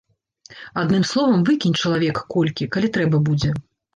Адным словам, выкінь чалавек колькі, калі трэба будзе.